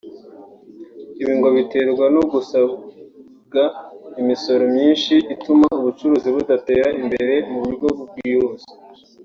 Ibi ngo biterwa no gusabwa imisoro myinshi ituma ubucuruzi budatera imbere mu buryo bwihuse